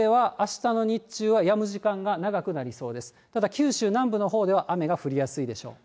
ただ九州南部のほうでは雨が降りやすいでしょう。